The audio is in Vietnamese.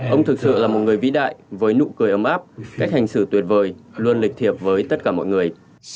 ông thực sự là một người vĩ đại với nụ cười ấm áp cách hành xử tuyệt vời luôn lịch thiệp với tất cả mọi người